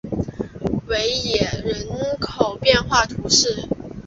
韦耶人口变化图示